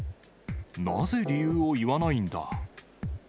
なぜ理由を言わないんだ？